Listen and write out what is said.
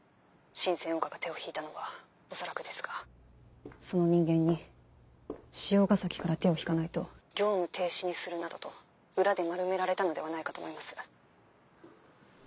神饌オーガが手を引いたのは恐らくですがその人間に汐ヶ崎から手を引かないと業務停止にするなどと裏で丸められたのではないかと思います。